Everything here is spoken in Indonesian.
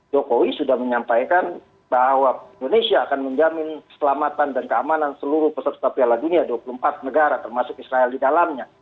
jokowi sudah menyampaikan bahwa indonesia akan menjamin keselamatan dan keamanan seluruh peserta piala dunia dua puluh empat negara termasuk israel di dalamnya